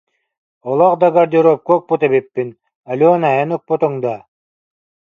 Олох да гардеробка укпут эбиппин, Алена, эн, укпутуҥ дуо